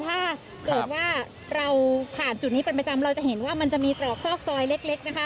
ถ้าเกิดว่าเราผ่านจุดนี้เป็นประจำเราจะเห็นว่ามันจะมีตรอกซอกซอยเล็กนะคะ